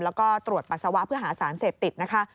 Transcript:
แล้วก็ตรวจปัสสาวะเพื่อหาสารเสพติดนะคะ